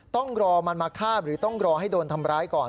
ต้องรอมันมาฆ่าหรือต้องรอให้โดนทำร้ายก่อน